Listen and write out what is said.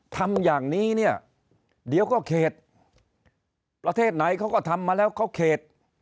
ทำอย่างนี้เนี่ยเดี๋ยวก็เขตประเทศไหนเขาก็ทำมาแล้วเขาเขต